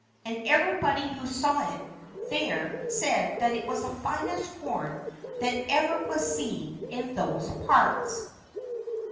And everybody who saw it there said that it was the finest corn that ever was seen in those parts.